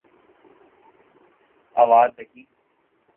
اوادھی